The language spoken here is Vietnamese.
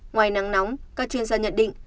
ngoài nắng nóng các chuyên gia nhận định